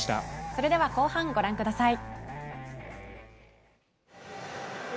それでは後半をご覧ください。